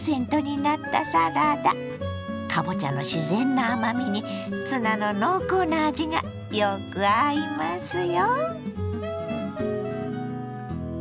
かぼちゃの自然な甘みにツナの濃厚な味がよく合いますよ。